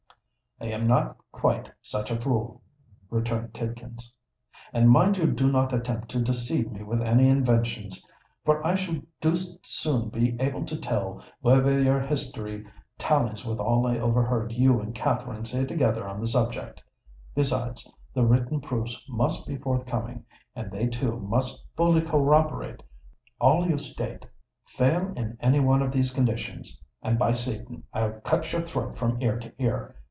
"I am not quite such a fool," returned Tidkins. "And mind you do not attempt to deceive me with any inventions for I shall deuced soon be able to tell whether your history tallies with all I overheard you and Katherine say together on the subject. Besides, the written proofs must be forthcoming—and they, too, must fully corroborate all you state. Fail in any one of these conditions—and, by Satan! I'll cut your throat from ear to ear.